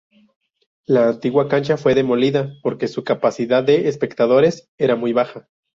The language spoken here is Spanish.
La antigua cancha fue demolida porque su capacidad de espectadores era muy baja.